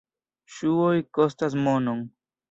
Ŝuoj kostas monon.